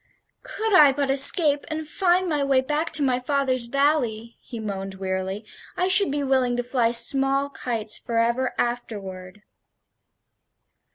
"Could I but escape and find my way back to my father's valley," he moaned, wearily, "I should be willing to fly small kites forever afterward."